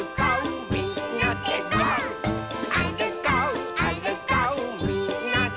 「あるこうあるこうみんなで」